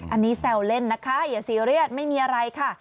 อันนี้แซวเล่นนะคะอย่าซีเรียสไม่มีอะไรค่ะ